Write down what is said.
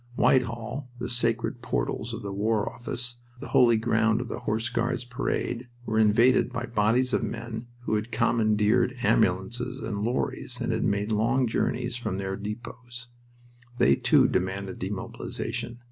Whitehall, the sacred portals of the War Office, the holy ground of the Horse Guards' Parade, were invaded by bodies of men who had commandeered ambulances and lorries and had made long journeys from their depots. They, too, demanded demobilization.